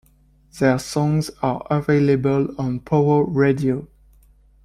Their songs are available on Pow Wow Radio.